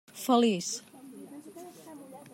Feliç.